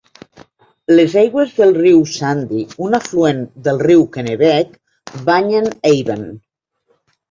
Les aigües del riu Sandy, un afluent del riu Kennebec, banyen Avon.